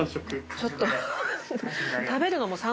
ちょっと。